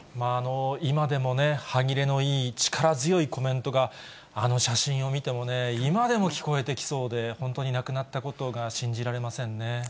今でも歯切れのいい力強いコメントが、あの写真を見てもね、今でも聞こえてきそうで、本当に亡くなったことが信じられませんね。